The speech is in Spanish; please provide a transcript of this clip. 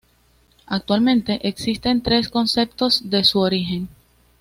Actualmente existen tres conceptos de su origen.